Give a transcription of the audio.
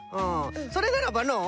それならばのう